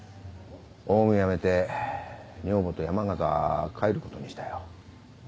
オウミ辞めて女房と山形帰ることにしたよ。